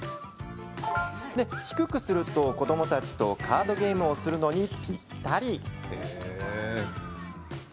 低くすると、子どもたちとカードゲームをするのにぴったり。